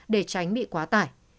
để tránh bị quá tải